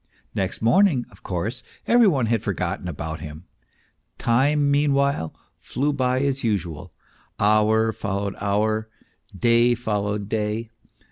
Next morning, of course, every one had forgotten about him; time, meanwhile, flew by as usual, hour followed hour and day followed day.